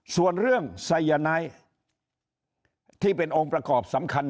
ส่วนเรื่องไซยาไนท์ที่เป็นองค์ประกอบสำคัญ